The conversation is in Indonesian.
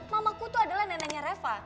mamaku tuh adalah neneknya reva